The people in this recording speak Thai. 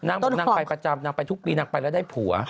นางบอกนางไปประจำนางไปทุกปีนางไปแล้วได้ผัว